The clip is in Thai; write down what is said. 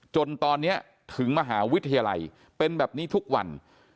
จนตอนนี้ถึงมหาวิทยาลัยเป็นแบบนี้ทุกวัน